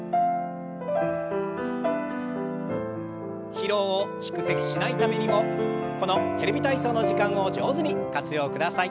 疲労を蓄積しないためにもこの「テレビ体操」の時間を上手に活用ください。